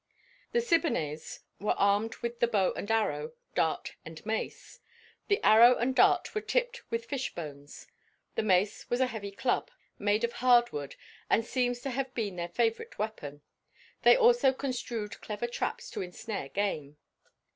The Siboneyes were armed with the bow and arrow, dart and mace; the arrow and dart were tipped with fish bones; the mace was a heavy club made of hardwood and seems to have been their favorite weapon. They also construed clever traps to ensnare game.